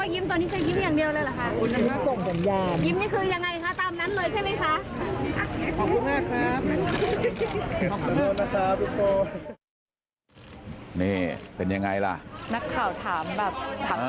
ยิ้มนี่คือยังไงครับตามนั้นเลยใช่ไหมคะ